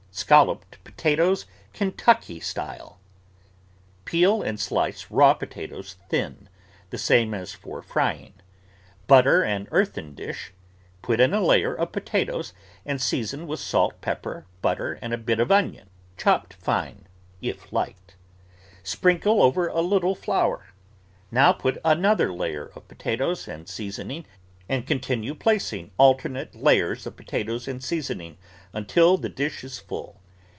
SCALLOPED POTATOES (KENTUCKY STYLE) Peel and slice raw potatoes thin, the same as for frying. Butter an earthen dish, put in a layer of potatoes and season with salt, pepper, butter, and a bit of onion, chopped fine (if liked) . Sprinkle over a little flour. Now put another layer of potatoes and seasoning and continue placing alternate lay ers of potatoes and seasoning until the dish is full.